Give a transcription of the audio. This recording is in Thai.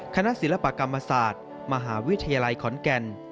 คณะศิลปกรรมศาสตร์มหาวิทยาลัยขอนแก่น